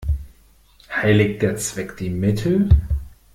Heiligt der Zweck die Mittel?